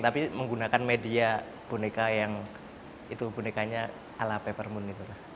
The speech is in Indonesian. tapi menggunakan media boneka yang itu bonekanya ala peppermint